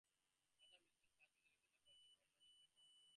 Other ministers, such as Alexander Pechtold, were not in favor of this plan.